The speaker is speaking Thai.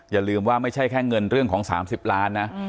อย่าลืมว่าไม่ใช่แค่เงินเรื่องของ๓๐ล้านนะ